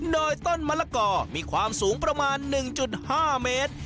โดยต้นมะละกอมีความสูงประมาณ๑๕เมตร